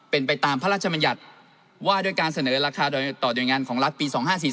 เป็นไปตามพระราชมัญญัติว่าด้วยการเสนอราคาโดยต่อหน่วยงานของรัฐปี๒๕๔๔